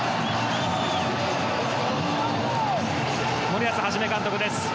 森保一監督です。